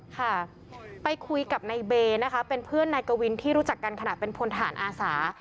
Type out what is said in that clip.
ค่ะไปคุยกับนายเบนะคะเป็นเพื่อนนายกวินที่รู้จักกันขณะเป็นพลฐานอาสา